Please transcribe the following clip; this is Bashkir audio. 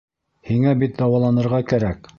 Һиңә бит дауаланырға кәрәк.